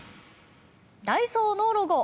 ダイソーのロゴ